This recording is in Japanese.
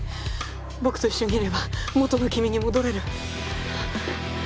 僕と一緒にいれば元の君に戻れる。